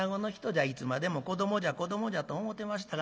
いつまでも子どもじゃ子どもじゃと思ってましたが。